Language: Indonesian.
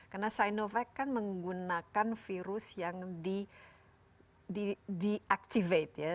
karena sinovac kan menggunakan virus yang di activate ya